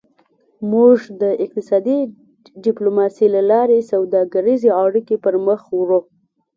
موږ د اقتصادي ډیپلوماسي له لارې سوداګریزې اړیکې پرمخ وړو